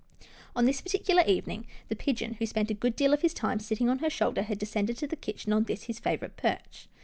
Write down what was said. On this particular evening, the pigeon, who spent a good deal of his time sitting on her shoulder, had descended to the kitchen on this his favourite perch.